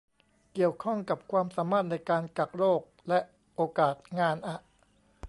เกี่ยวข้องกับความสามารถในการกักโรคและโอกาสงานอะ